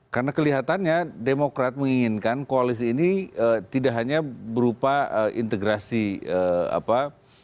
karena kelihatannya demokrat menginginkan koalisi ini tidak hanya berupa integrasi apa